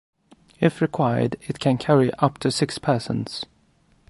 If required, it can carry up to six persons.